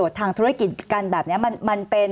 สวัสดีครับทุกคน